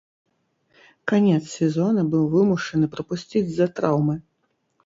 Канец сезона быў вымушаны прапусціць з-за траўмы.